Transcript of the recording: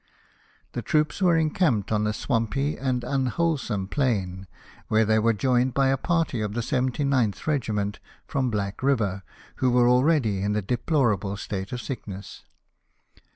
The troops were encamped on a swampy and unwholesome plain, where they were joined by a party of the 79th regiment, from Black River, who were already in a deplorable state of sickness.